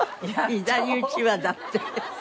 左うちわだって。